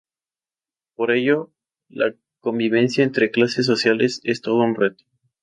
Por ello, la convivencia entre clases sociales es todo un reto.